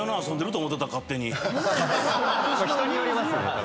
それ人によりますね。